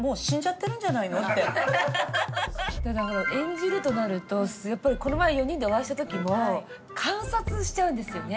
演じるとなるとやっぱりこの前４人でお会いした時も観察しちゃうんですよね。